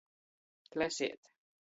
Klesēt.